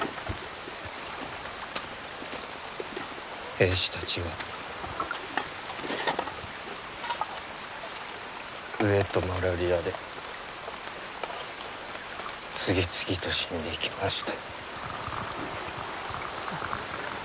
兵士たちは飢えとマラリアで次々と死んでいきました。